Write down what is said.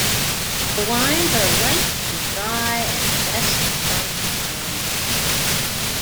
The wines are light and dry and best drunk young.